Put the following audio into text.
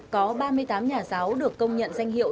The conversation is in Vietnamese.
có ba mươi tám nhà giáo được công nhận danh hiệu